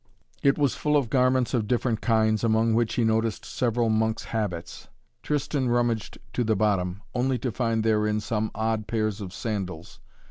It was full of garments of different kinds, among which he noticed several monks' habits. Tristan rummaged to the bottom, only to find therein some odd pairs of sandals.